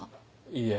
いいえ。